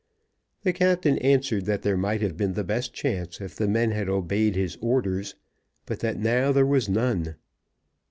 The captain answered that there might have been the best chance if the men had obeyed his orders, but that now there was none.